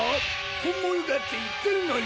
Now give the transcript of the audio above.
本物だって言ってるのに！